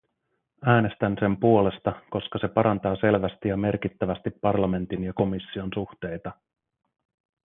Äänestän sen puolesta, koska se parantaa selvästi ja merkittävästi parlamentin ja komission suhteita.